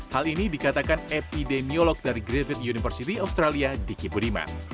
hal ini dikatakan epidemiolog dari griffith university australia diki budiman